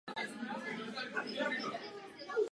Přibližně ves stejné době byl vybudován i poplužní dvůr.